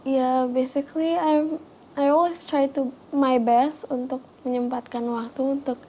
ya basically i always try my best untuk menyempatkan waktu untuk nyanyi